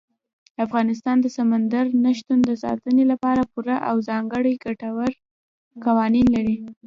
افغانستان د سمندر نه شتون د ساتنې لپاره پوره او ځانګړي ګټور قوانین لري.